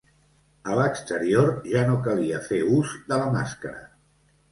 A l’exterior ja no calia fer ús de la màscara.